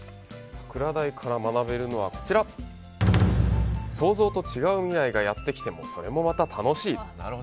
サクラダイから学べるのは想像と違う未来がやってきてもそれもまた楽しいと。